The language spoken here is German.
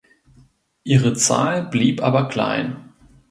Ihre Zahl blieb aber klein.